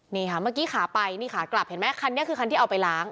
นี่ค่ะเมื่อกี้ขาไปนี่ขากลับเห็นไหมคันนี้คือคันที่เอาไปล้าง